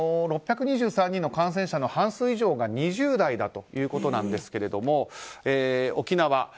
６２３人の感染者の半数以上が２０代だということなんですが沖縄、